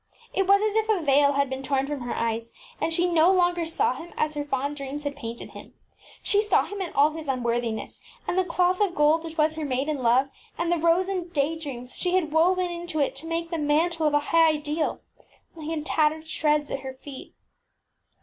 It was as if a veil had been torn from her eyes, and she no longer saw him as her fond dreams had painted him. She saw him in all his un worthiness; and the cloth of gold which was her maiden love, and the rosy day dreams she had woven into it to make the mantle of a high ideal, lay in tattered shreds at her feet.